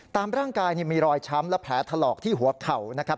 ตามร่างกายมีรอยช้ำและแผลถลอกที่หัวเข่านะครับ